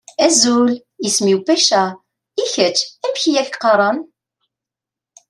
Azul! Isem-iw Pecca. I kečč amek i ak-qqaṛen?